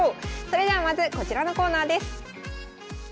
それではまずこちらのコーナーです。